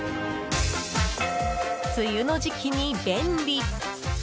梅雨の時期に便利。